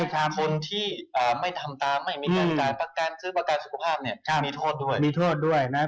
คนที่ไม่ทำตามไม่มีการไกลประกานที่ประกานสุขภาพมีโทษด้วยนะครับ